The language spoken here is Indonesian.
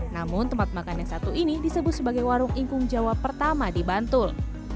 namun tempat makan yang satu ini disebut sebagai warung ingkung jawa pertama di bantul